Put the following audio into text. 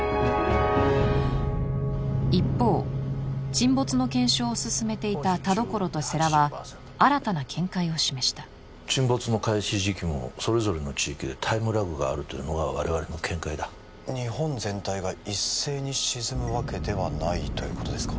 一方沈没の検証を進めていた田所と世良は新たな見解を示した沈没の開始時期もそれぞれの地域でタイムラグがあるというのが我々の見解だ日本全体が一斉に沈むわけではないということですか？